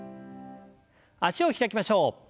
脚を開きましょう。